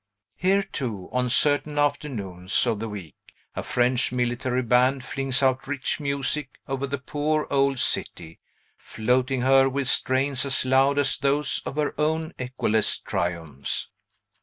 Here, too, on certain afternoons of the week, a French military band flings out rich music over the poor old city, floating her with strains as loud as those of her own echoless triumphs.